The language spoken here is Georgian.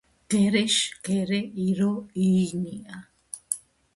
გერეშ გერე ირო იინია